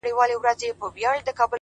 • د ګودرونو د چینار سیوری مي زړه تخنوي ,